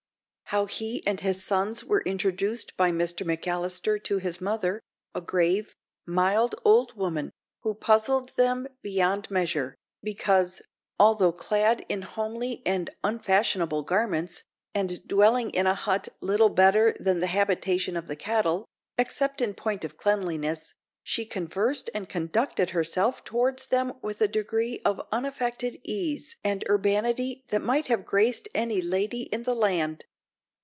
How he and his sons were introduced by Mr McAllister to his mother, a grave, mild old woman, who puzzled them beyond measure; because, although clad in homely and unfashionable garments, and dwelling in a hut little better than the habitation of the cattle, except in point of cleanliness, she conversed and conducted herself towards them with a degree of unaffected ease and urbanity that might have graced any lady in the land.